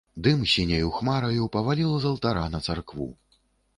Дым сіняю хмараю паваліў з алтара на царкву.